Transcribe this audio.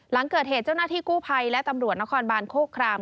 หลังเกิดเหตุเจ้าหน้าที่กู้ภัยและตำรวจนครบานโคคราม